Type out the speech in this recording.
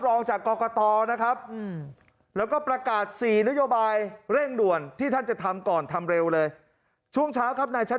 รองจากกรกตนะครับแล้วก็ประกาศ๔นโยบายเร่งด่วนที่ท่านจะทำก่อนทำเร็วเลยช่วงเช้าครับนายชัด